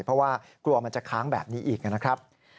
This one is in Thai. เพราะว่ากลัวมันจะค้างแบบนี้อีกนะครับ